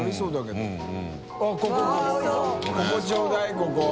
海ちょうだいここ。